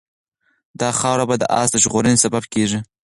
دا خاوره به د آس د ژغورنې سبب شي.